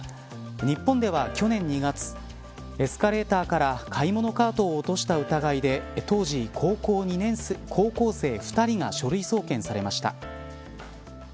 日本では去年２月エスカレーターから買い物カートを落とした疑いで当時、高校生２人が書類送検されました。